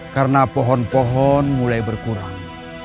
karena pohon pohon mulai berkurang